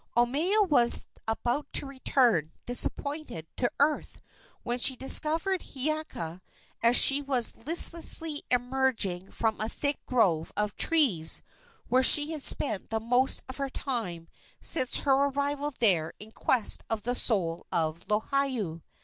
Omeo was about to return, disappointed, to earth, when she discovered Hiiaka as she was listlessly emerging from a thick grove of trees where she had spent the most of her time since her arrival there in quest of the soul of Lohiau.